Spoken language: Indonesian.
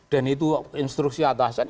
dan itu instruksi atasan